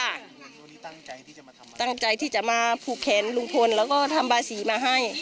วันนี้ตั้งใจที่จะมาทำแบบนี้